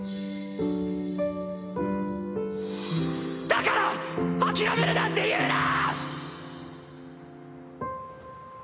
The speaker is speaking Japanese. だから諦めるなんて言うな！